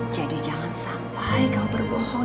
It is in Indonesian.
jadi jangan sampai kau berbohong